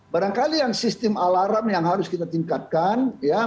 barangkali yang sistem alarm yang harus kita tingkatkan